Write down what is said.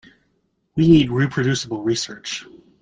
We need reproducible research.